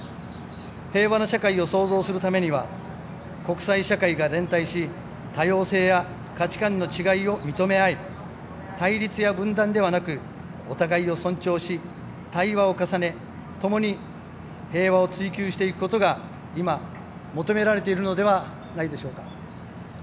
平和な社会を創造するためには国際社会が連帯し多様性や価値観の違いを認め合い対立や分断ではなくお互いを尊重し、対話を重ね共に平和を追求していくことが今、求められているのではないでしょうか。